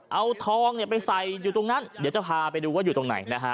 เอาทองไปใส่อยู่ตรงนั้นเดี๋ยวจะพาไปดูว่าอยู่ตรงไหนนะฮะ